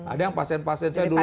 ada yang pasien pasien saya dulu